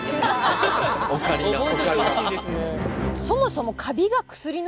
覚えといてほしいですね。